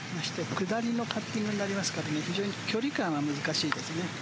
下りのパッティングになりますから非常に距離感は難しいですね。